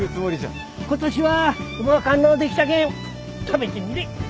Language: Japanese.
今年はうまかんのできたけん食べてみれ。